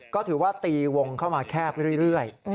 ก็ถือว่าตีวงเข้ามาแคบเรื่อย